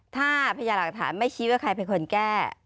ถ้าพยาหลักฐานไม่ชี้ว่าใครเป็นคนแก้